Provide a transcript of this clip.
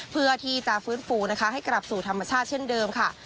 เพื่อที่จะฟื้นฟูนะคะให้กลับสู่ธรรมชาติเช่นเดิมค่ะ